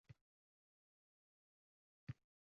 Seulda O‘zbekiston sayyohlik salohiyati namoyish etildi